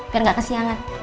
biar gak kesiangan